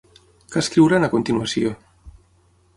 Què escriuran a continuació?